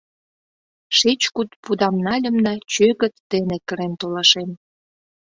Шеч кут пудам нальым да чӧгыт дене кырен толашем.